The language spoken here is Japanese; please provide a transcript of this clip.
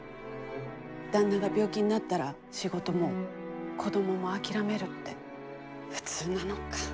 旦那が病気になったら仕事も子どもも諦めるって普通なのか。